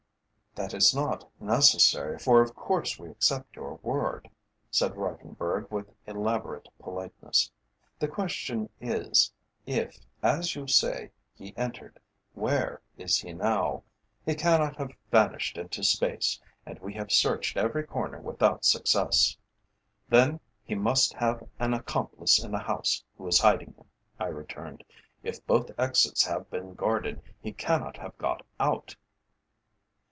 "That is not necessary, for of course we accept your word," said Reiffenburg with elaborate politeness. "The question is: if, as you say, he entered, where is he now? He cannot have vanished into space, and we have searched every corner without success." "Then he must have an accomplice in the house who is hiding him," I returned. "If both exits have been guarded, he cannot have got out."